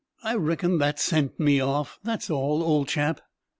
I reckon that sent me off. That's all, old chap!"